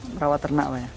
merawat ternak ya